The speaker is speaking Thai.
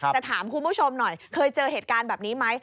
แต่ถามคุณผู้ชมหน่อยเคยเจอเหตุการณ์แบบนี้ไหม